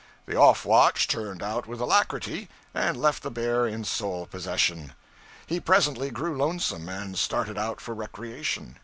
The off watch turned out with alacrity, and left the bear in sole possession. He presently grew lonesome, and started out for recreation.